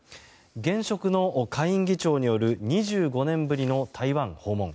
現職の下院議長による２５年ぶりの台湾訪問。